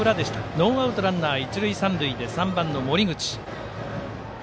ノーアウト、ランナー、一塁三塁３番の森口。